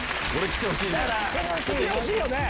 来てほしいよね。